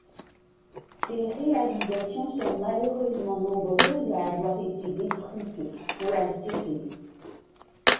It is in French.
Ses réalisations sont malheureusement nombreuses à avoir été détruites ou altérées.